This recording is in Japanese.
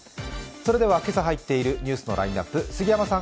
それでは今朝入っているニュースのラインナップ、杉山さん